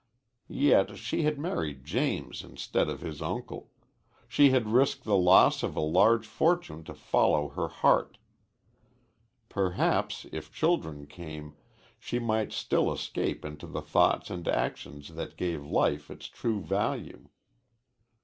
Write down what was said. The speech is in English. Yet she had married James instead of his uncle. She had risked the loss of a large fortune to follow her heart. Perhaps, if children came, she might still escape into the thoughts and actions that give life its true value.